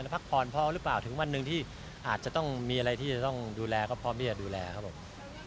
พักผ่อนพอหรือเปล่าถึงวันหนึ่งที่อาจจะต้องมีอะไรที่จะต้องดูแลก็พร้อมที่จะดูแลครับผม